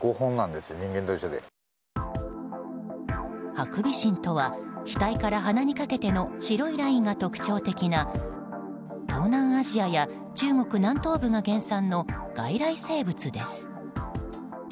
ハクビシンとは額から鼻にかけての白いラインが特徴的な東南アジアや中国南東部が原産の外来生物です。